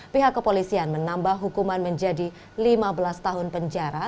pihak kepolisian menambah hukuman menjadi lima belas tahun penjara